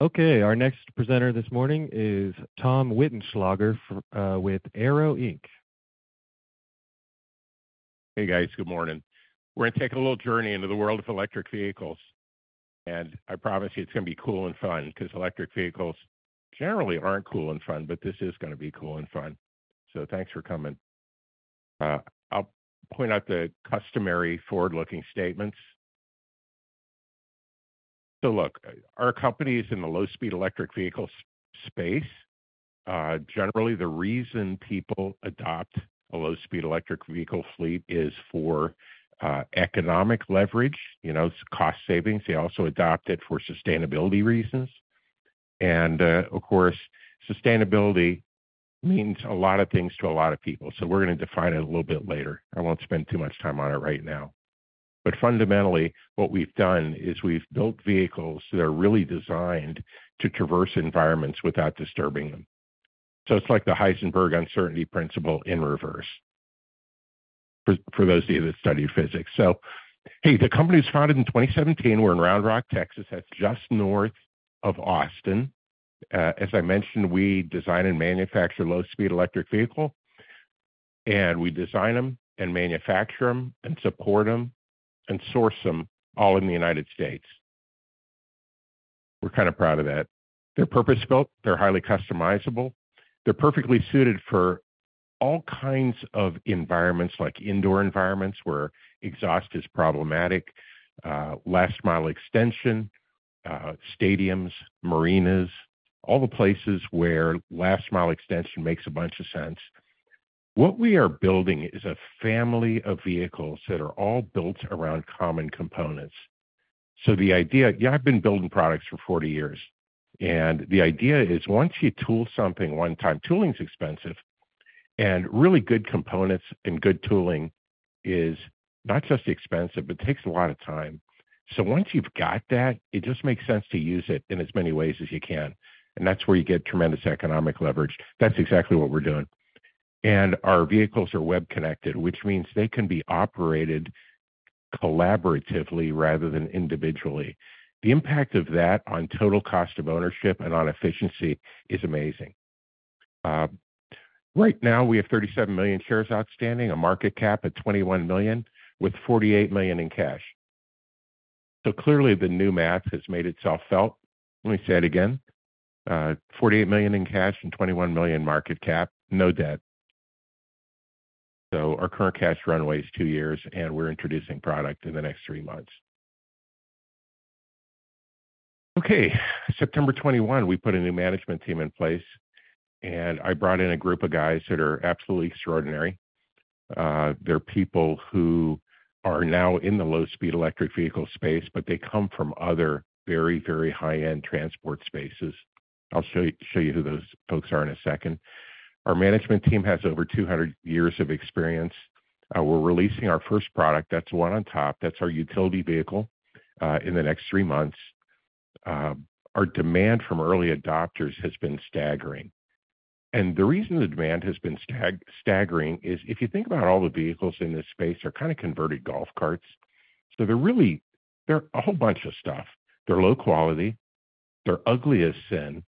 Our next presenter this morning is Tom Wittenschlaeger with AYRO, Inc. Hey, guys. Good morning. We're gonna take a little journey into the world of electric vehicles, and I promise you it's gonna be cool and fun 'cause electric vehicles generally aren't cool and fun, but this is gonna be cool and fun. Thanks for coming. I'll point out the customary forward-looking statements. Look, our company is in the low-speed electric vehicle space. Generally, the reason people adopt a low-speed electric vehicle fleet is for economic leverage. You know, it's cost savings. They also adopt it for sustainability reasons. Of course, sustainability means a lot of things to a lot of people, so we're gonna define it a little bit later. I won't spend too much time on it right now. Fundamentally, what we've done is we've built vehicles that are really designed to traverse environments without disturbing them. It's like the Heisenberg uncertainty principle in reverse, for those of you that study physics. The company was founded in 2017. We're in Round Rock, Texas. That's just north of Austin. As I mentioned, we design and manufacture low-speed electric vehicle. We design them and manufacture 'em and support 'em and source 'em all in the United States. We're kinda proud of that. They're purpose-built. They're highly customizable. They're perfectly suited for all kinds of environments, like indoor environments where exhaust is problematic, last mile extension, stadiums, marinas, all the places where last mile extension makes a bunch of sense. What we are building is a family of vehicles that are all built around common components. The idea... Yeah, I've been building products for 40 years. The idea is once you tool something one time, tooling's expensive. Really good components and good tooling is not just expensive but takes a lot of time. Once you've got that, it just makes sense to use it in as many ways as you can, and that's where you get tremendous economic leverage. That's exactly what we're doing. Our vehicles are web connected, which means they can be operated collaboratively rather than individually. The impact of that on total cost of ownership and on efficiency is amazing. Right now, we have 37 million shares outstanding, a market cap at $21 million with $48 million in cash. Clearly the new math has made itself felt. Let me say it again, $48 million in cash and $21 million market cap. No debt. Our current cash runway is two years, and we're introducing product in the next three months. Okay. September 2021, we put a new management team in place, and I brought in a group of guys that are absolutely extraordinary. They're people who are now in the low-speed electric vehicle space, but they come from other very, very high-end transport spaces. I'll show you who those folks are in a second. Our management team has over 200 years of experience. We're releasing our first product, that's the one on top, that's our utility vehicle, in the next three months. Our demand from early adopters has been staggering. The reason the demand has been staggering is if you think about all the vehicles in this space, they're kinda converted golf carts. They're really. They're a whole bunch of stuff. They're low quality, they're ugly as sin,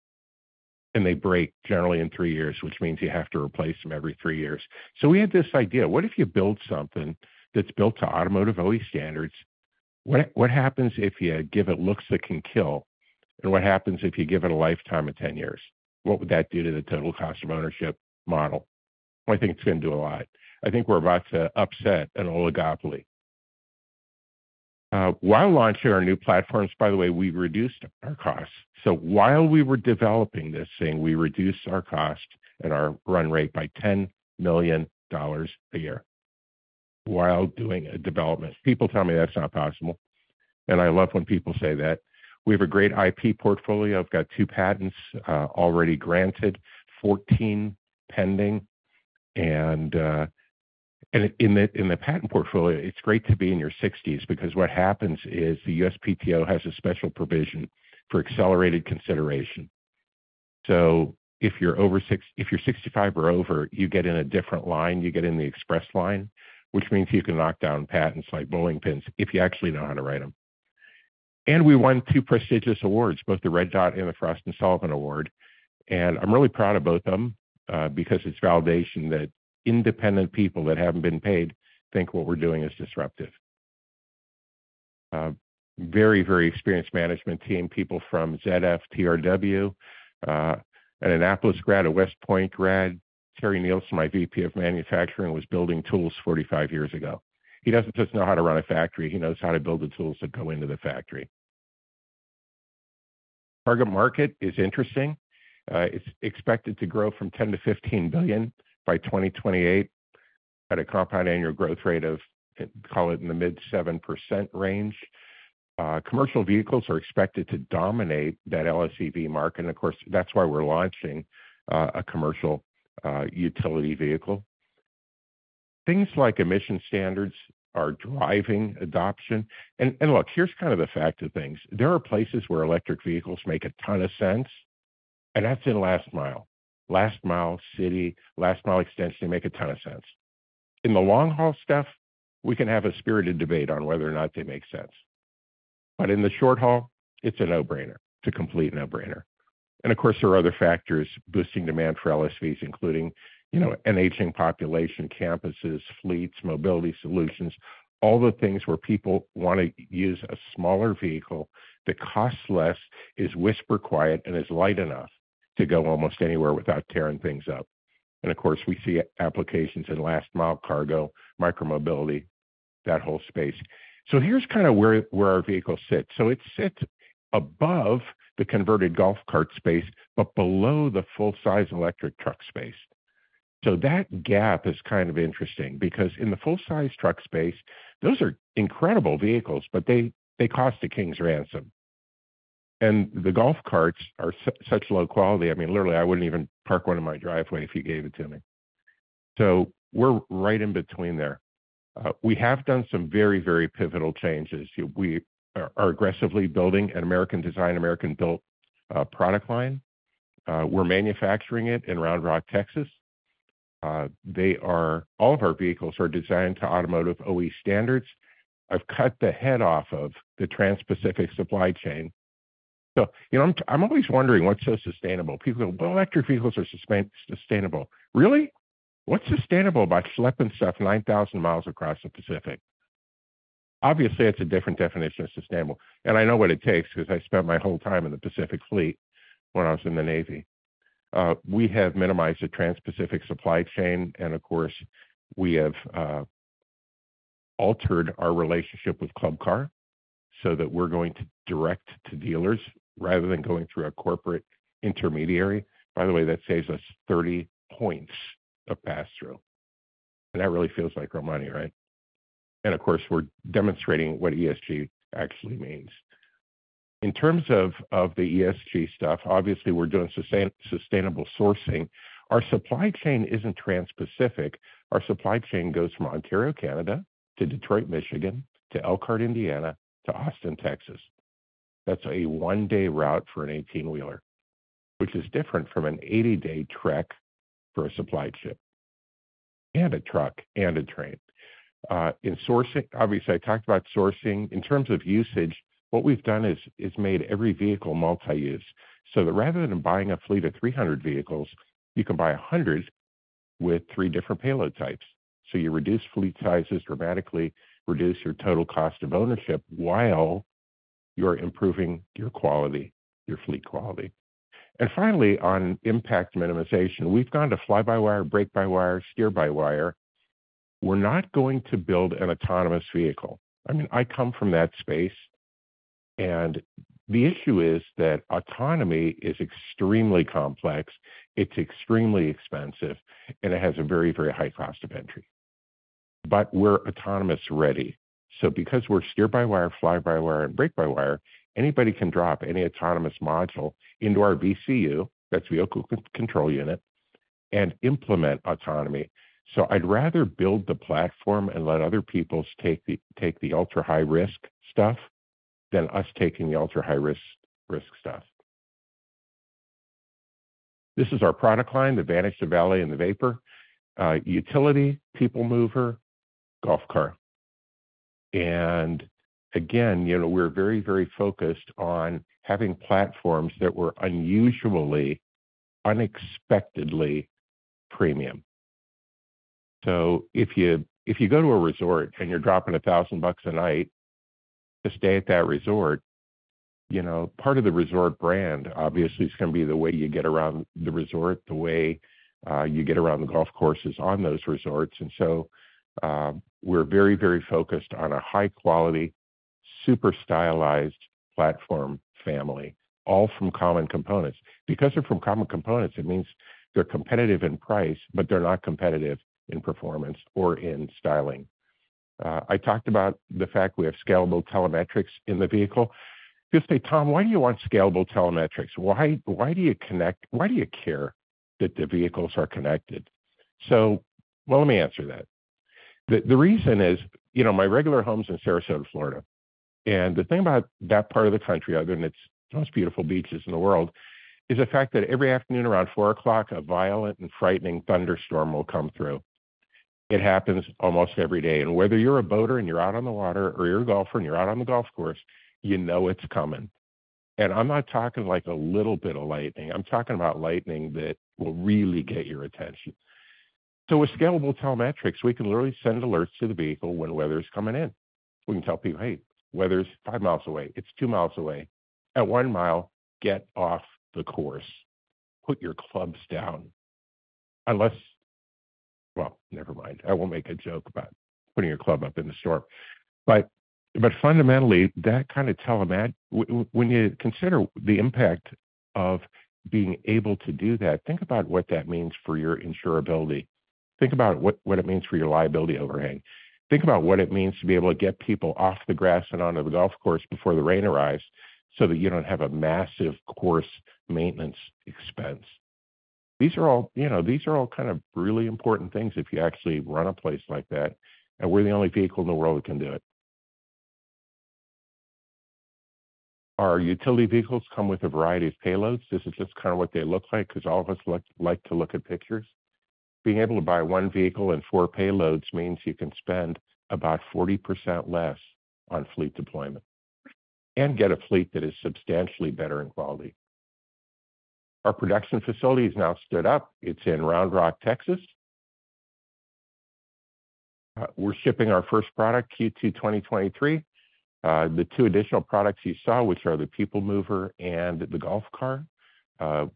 and they break generally in three years, which means you have to replace them every three years. We had this idea, what if you build something that's built to automotive OE standards? What happens if you give it looks that can kill? What happens if you give it a lifetime of 10 years? What would that do to the total cost of ownership model? Well, I think it's gonna do a lot. I think we're about to upset an oligopoly. While launching our new platforms, by the way, we've reduced our costs. While we were developing this thing, we reduced our cost and our run rate by $10 million a year while doing a development. People tell me that's not possible, and I love when people say that. We have a great IP portfolio. I've got two patents, already granted, 14 pending. In the patent portfolio, it's great to be in your 60s because what happens is the USPTO has a special provision for accelerated consideration. If you're 65 or over, you get in a different line, you get in the express line, which means you can knock down patents like bowling pins if you actually know how to write 'em. We won two prestigious awards, both the Red Dot and the Frost & Sullivan Award. I'm really proud of both of them because it's validation that independent people that haven't been paid think what we're doing is disruptive. Very, very experienced management team, people from ZF, TRW, an Annapolis grad, a West Point grad. Terry Nielsen, my VP of manufacturing, was building tools 45 years ago. He doesn't just know how to run a factory, he knows how to build the tools that go into the factory. Target market is interesting. It's expected to grow from $10 billion-$15 billion by 2028 at a compound annual growth rate of, call it in the mid 7% range. Commercial vehicles are expected to dominate that LSEV market, and of course, that's why we're launching a commercial utility vehicle. Things like emission standards are driving adoption. Look, here's kind of the fact of things. There are places where electric vehicles make a ton of sense. That's in last mile. Last mile city, last mile extension make a ton of sense. In the long-haul stuff, we can have a spirited debate on whether or not they make sense. In the short haul, it's a no-brainer. It's a complete no-brainer. Of course, there are other factors boosting demand for LSVs, including, you know, an aging population, campuses, fleets, mobility solutions, all the things where people want to use a smaller vehicle that costs less, is whisper quiet, and is light enough to go almost anywhere without tearing things up. Of course, we see applications in last-mile cargo, micro-mobility, that whole space. Here's kinda where our vehicle sits. It sits above the converted golf cart space, but below the full-size electric truck space. That gap is kind of interesting because in the full-size truck space, those are incredible vehicles, but they cost a king's ransom. The golf carts are such low quality. I mean, literally, I wouldn't even park one in my driveway if you gave it to me. We're right in between there. We have done some very pivotal changes. We are aggressively building an American-designed, American-built product line. We're manufacturing it in Round Rock, Texas. All of our vehicles are designed to automotive OE standards. I've cut the head off of the Transpacific supply chain. You know, I'm always wondering what's so sustainable. People go, "Well, electric vehicles are sustainable." Really? What's sustainable about schlepping stuff 9,000 mi across the Pacific? Obviously, it's a different definition of sustainable. I know what it takes 'cause I spent my whole time in the Pacific Fleet when I was in the Navy. We have minimized the Transpacific supply chain. Of course, we have altered our relationship with Club Car so that we're going direct to dealers rather than going through a corporate intermediary. That saves us 30 points of pass-through. That really feels like our money, right? Of course, we're demonstrating what ESG actually means. In terms of the ESG stuff, obviously, we're doing sustainable sourcing. Our supply chain isn't Transpacific. Our supply chain goes from Ontario, Canada to Detroit, Michigan, to Elkhart, Indiana, to Austin, Texas. That's a one-day route for an 18-wheeler, which is different from an 80-day trek for a supply ship and a truck and a train. Obviously, I talked about sourcing. In terms of usage, what we've done is made every vehicle multi-use, so that rather than buying a fleet of 300 vehicles, you can buy 100 with three different payload types. You reduce fleet sizes dramatically, reduce your total cost of ownership while you're improving your quality, your fleet quality. Finally, on impact minimization, we've gone to fly-by-wire, brake-by-wire, steer-by-wire. We're not going to build an autonomous vehicle. I mean, I come from that space, and the issue is that autonomy is extremely complex, it's extremely expensive, and it has a very, very high cost of entry. We're autonomous-ready. Because we're steer-by-wire, fly-by-wire, and brake-by-wire, anybody can drop any autonomous module into our VCU, that's vehicle control unit, and implement autonomy. I'd rather build the platform and let other peoples take the ultra-high risk stuff than us taking the ultra-high risk stuff. This is our product line, the Vanish, the Valet, and the Vapor. Utility, people mover, golf car. Again, you know, we're very, very focused on having platforms that were unusually, unexpectedly premium. If you go to a resort and you're dropping $1,000 a night to stay at that resort, you know, part of the resort brand, obviously, is gonna be the way you get around the resort, the way you get around the golf courses on those resorts. We're very focused on a high-quality, super stylized platform family, all from common components. Because they're from common components, it means they're competitive in price, but they're not competitive in performance or in styling. I talked about the fact we have scalable telemetrics in the vehicle. You say, "Tom, why do you want scalable telemetrics? Why do you care that the vehicles are connected?" Well, let me answer that. The reason is, you know, my regular home's in Sarasota, Florida. The thing about that part of the country, other than its most beautiful beaches in the world, is the fact that every afternoon around 4:00 P.M., a violent and frightening thunderstorm will come through. It happens almost every day. Whether you're a boater and you're out on the water or you're a golfer and you're out on the golf course, you know it's coming. I'm not talking like a little bit of lightning. I'm talking about lightning that will really get your attention. With scalable telemetrics, we can literally send alerts to the vehicle when weather's coming in. We can tell people, "Hey, weather's 5 mi away. It's 2 mi away. At 1 mi, get off the course. Put your clubs down." Well, never mind. I won't make a joke about putting your club up in the storm. Fundamentally, when you consider the impact of being able to do that, think about what it means for your insurability. Think about what it means for your liability overhang. Think about what it means to be able to get people off the grass and onto the golf course before the rain arrives, so that you don't have a massive course maintenance expense. These are all, you know, these are all kind of really important things if you actually run a place like that. We're the only vehicle in the world that can do it. Our utility vehicles come with a variety of payloads. This is just kinda what they look like, 'cause all of us like to look at pictures. Being able to buy one vehicle and four payloads means you can spend about 40% less on fleet deployment and get a fleet that is substantially better in quality. Our production facility is now stood up. It's in Round Rock, Texas. We're shipping our first product Q2, 2023. The two additional products you saw, which are the people mover and the golf car,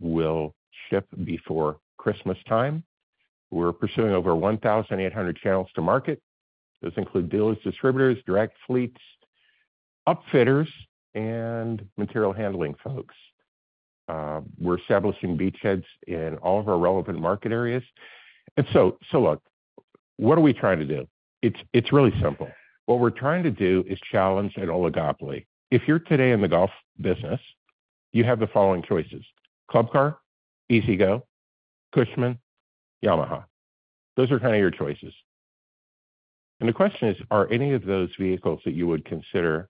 will ship before Christmas time. We're pursuing over 1,800 channels to market. Those include dealers, distributors, direct fleets, upfitters, and material handling folks. We're establishing beachheads in all of our relevant market areas. Look, what are we trying to do? It's really simple. What we're trying to do is challenge an oligopoly. If you're today in the golf business, you have the following choices: Club Car, E-Z-GO, Cushman, Yamaha. Those are kinda your choices. The question is, are any of those vehicles that you would consider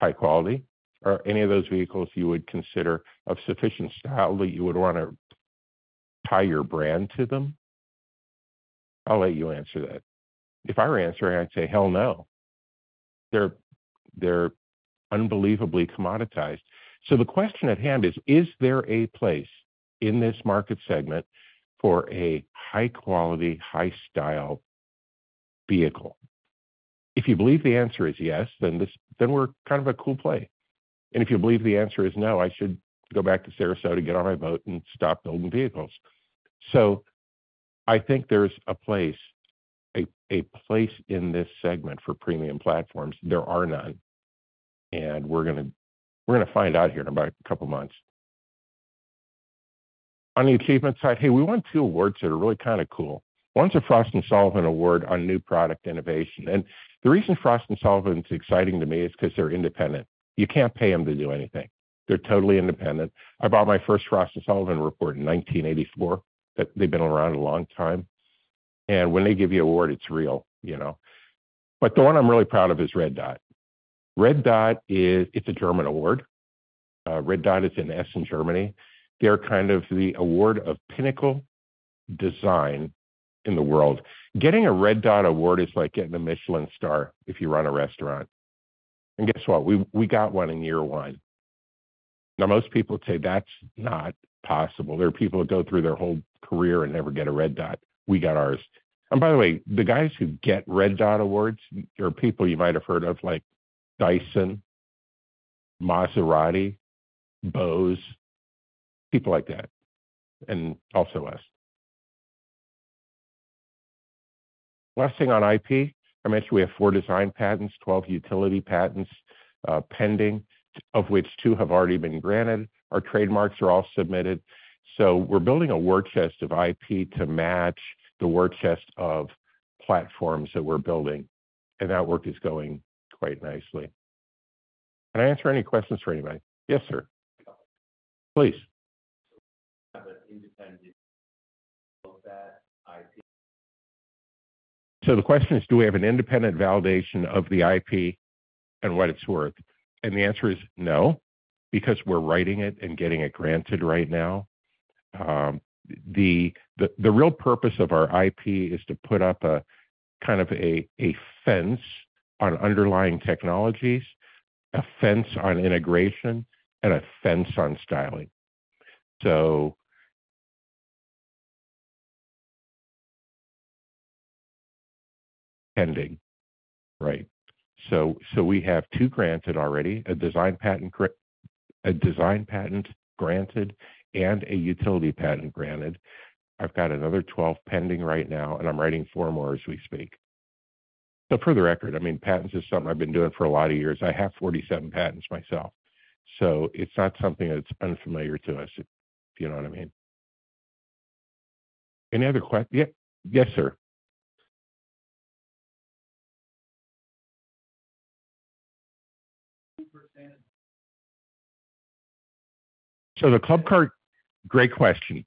high quality? Are any of those vehicles you would consider of sufficient style that you would wanna tie your brand to them? I'll let you answer that. If I were answering, I'd say, "Hell, no." They're unbelievably commoditized. The question at hand is: Is there a place in this market segment for a high-quality, high-style vehicle? If you believe the answer is yes, then we're kind of a cool play. If you believe the answer is no, I should go back to Sarasota, get on my boat, and stop building vehicles. I think there's a place in this segment for premium platforms. There are none. We're gonna find out here in about a couple of months. On the achievement side, hey, we won two awards that are really kinda cool. One's a Frost & Sullivan award on new product innovation. The reason Frost & Sullivan is exciting to me is 'cause they're independent. You can't pay them to do anything. They're totally independent. I bought my first Frost & Sullivan report in 1984. They've been around a long time. When they give you an award, it's real, you know. The one I'm really proud of is Red Dot. Red Dot, it's a German award. Red Dot is in Essen, Germany. They're kind of the award of pinnacle design in the world. Getting a Red Dot award is like getting a Michelin star if you run a restaurant. Guess what? We got one in year one. Now, most people say that's not possible. There are people who go through their whole career and never get a Red Dot. We got ours. By the way, the guys who get Red Dot awards are people you might have heard of, like Dyson, Maserati, Bose, people like that, and also us. Last thing on IP. I mentioned we have four design patents, 12 utility patents, pending, of which two have already been granted. Our trademarks are all submitted. We're building a war chest of IP to match the war chest of platforms that we're building, and that work is going quite nicely. Can I answer any questions for anybody? Yes, sir. Please. Have an independent of that IP. The question is: Do we have an independent validation of the IP and what it's worth? The answer is no, because we're writing it and getting it granted right now. The real purpose of our IP is to put up a, kind of a fence on underlying technologies, a fence on integration, and a fence on styling. Pending, right. We have two granted already, a design patent granted and a utility patent granted. I've got another 12 pending right now, and I'm writing four more as we speak. For the record, I mean, patents is something I've been doing for a lot of years. I have 47 patents myself, so it's not something that's unfamiliar to us, if you know what I mean. Any other question? Yes, sir. Percent. The Club Car? Great question.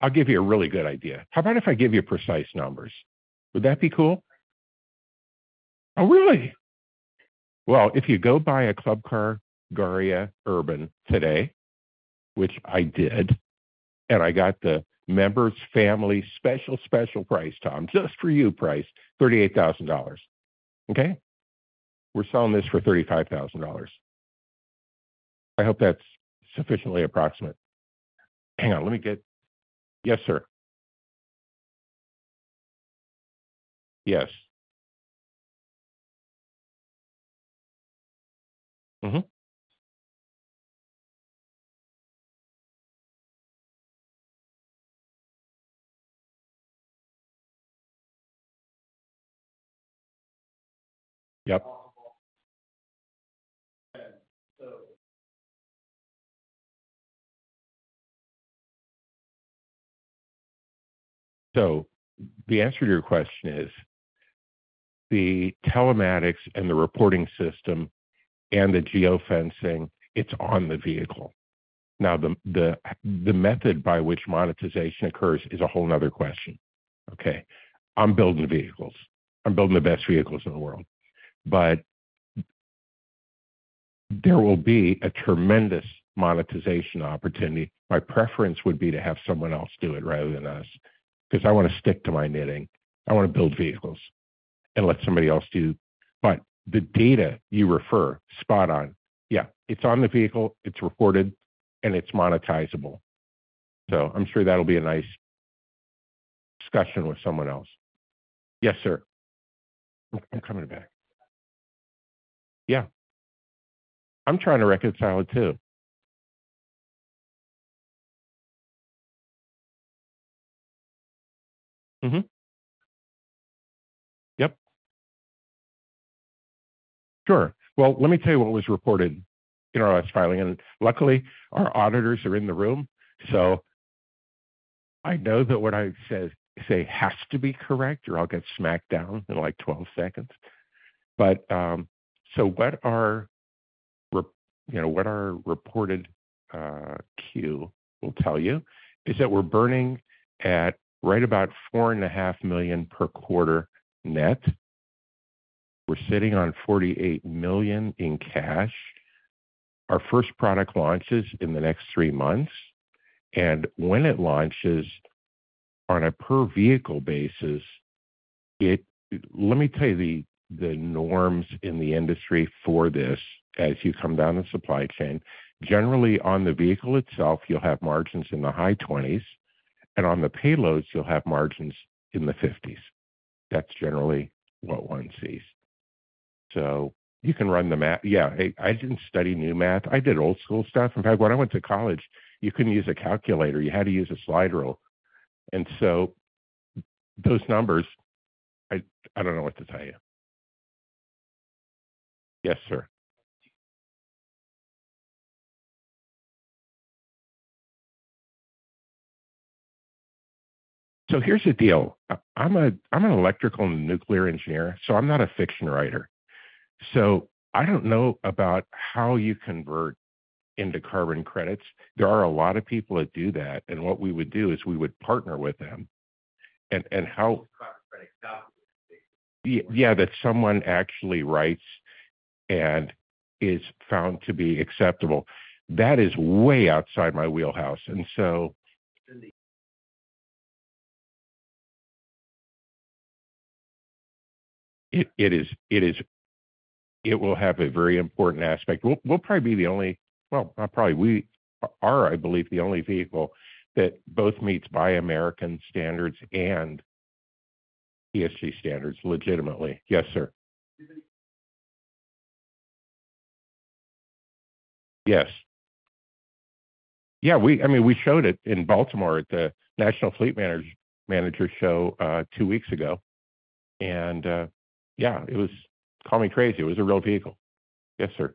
I'll give you a really good idea. How about if I give you precise numbers? Would that be cool? Oh, really? Well, if you go buy a Club Car Carryall Urban today, which I did, and I got the members, family, special price, Tom, just for you price, $38,000, okay? We're selling this for $35,000. I hope that's sufficiently approximate. Hang on. Yes, sir. Yes. Mm-hmm. Yep. The answer to your question is the telematics and the reporting system and the geofencing, it's on the vehicle. Now, the method by which monetization occurs is a whole another question, okay? I'm building vehicles. I'm building the best vehicles in the world. There will be a tremendous monetization opportunity. My preference would be to have someone else do it rather than us, 'cause I wanna stick to my knitting. I wanna build vehicles and let somebody else do... The data you refer, spot on. Yeah, it's on the vehicle, it's recorded, and it's monetizable. I'm sure that'll be a nice discussion with someone else. Yes, sir. I'm coming back. Yeah. I'm trying to reconcile it too. Let me tell you what was reported in our last filing. Luckily, our auditors are in the room. I know that what I say has to be correct or I'll get smacked down in like 12 seconds. What our reported Q will tell you is that we're burning at right about $4.5 million per quarter net. We're sitting on $48 million in cash. Our first product launches in the next three months. When it launches on a per vehicle basis, let me tell you the norms in the industry for this as you come down the supply chain. Generally, on the vehicle itself, you'll have margins in the high 20s, and on the payloads, you'll have margins in the 50s. That's generally what one sees. You can run the ma- Yeah, I didn't study new math. I did old school stuff. In fact, when I went to college, you couldn't use a calculator. You had to use a slide rule. Those numbers, I don't know what to tell you. Yes, sir. Here's the deal. I'm an electrical and nuclear engineer, so I'm not a fiction writer. I don't know about how you convert into carbon credits. There are a lot of people that do that, and what we would do is we would partner with them that someone actually writes and is found to be acceptable. That is way outside my wheelhouse. It is... It will have a very important aspect. We'll probably be the only... Well, not probably. We are, I believe, the only vehicle that both meets Buy American standards and ESC standards legitimately. Yes, sir. Yes. I mean, we showed it in Baltimore at the National Fleet Manager Show two weeks ago. It was... Call me crazy, it was a real vehicle. Yes, sir.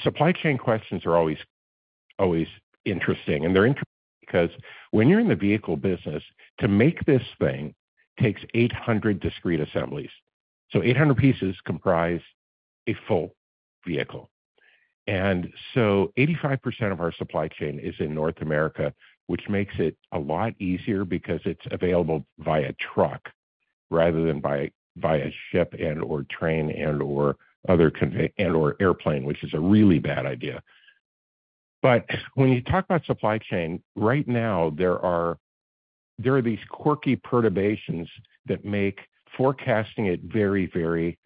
Supply chain questions are always interesting. They're interesting because when you're in the vehicle business, to make this thing takes 800 discrete assemblies. 800 pieces comprise a full vehicle. Eighty-five percent of our supply chain is in North America, which makes it a lot easier because it's available via truck rather than by, via ship and/or train and/or other and/or airplane, which is a really bad idea. When you talk about supply chain, right now, there are these quirky perturbations that make forecasting it very, very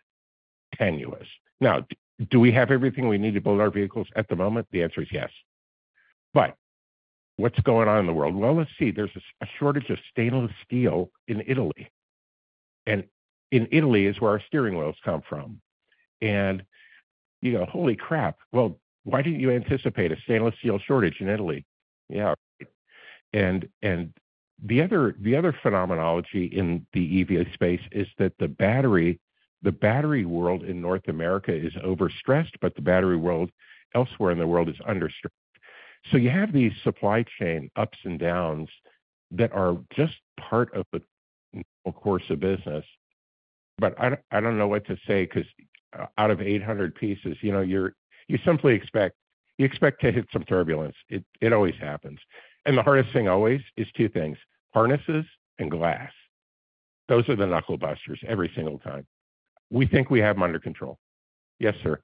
tenuous. Do we have everything we need to build our vehicles at the moment? The answer is yes. What's going on in the world? Well, let's see. There's a shortage of stainless steel in Italy. In Italy is where our steering wheels come from. You know, holy crap. Well, why didn't you anticipate a stainless-steel shortage in Italy? Yeah, right. The other phenomenology in the EV space is that the battery world in North America is overstressed, but the battery world elsewhere in the world is understressed. You have these supply chain ups and downs that are just part of the normal course of business. I don't know what to say 'cause out of 800 pieces, you know, you simply expect... You expect to hit some turbulence. It always happens. The hardest thing always is two things: harnesses and glass. Those are the knuckle busters every single time. We think we have them under control. Yes, sir.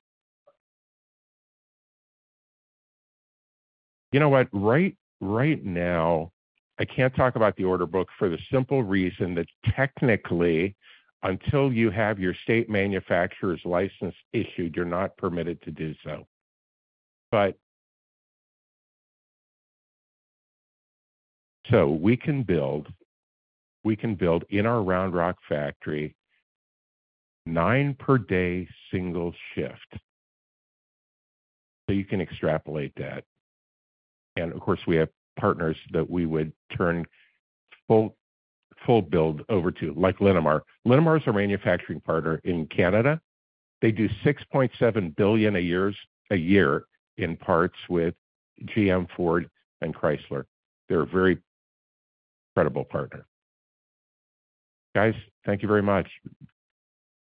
You know what? Right now, I can't talk about the order book for the simple reason that technically, until you have your state manufacturer's license issued, you're not permitted to do so. We can build in our Round Rock factory nine per day, single shift. You can extrapolate that. Of course, we have partners that we would turn full build over to, like Linamar. Linamar is our manufacturing partner in Canada. They do $6.7 billion a year in parts with GM, Ford, and Chrysler. They're a very incredible partner. Guys, thank you very much.